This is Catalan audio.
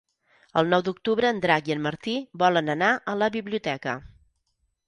El nou d'octubre en Drac i en Martí volen anar a la biblioteca.